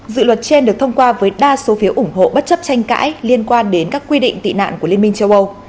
dự luật trên được thông qua với đa số phiếu ủng hộ bất chấp tranh cãi liên quan đến các quy định tị nạn của liên minh châu âu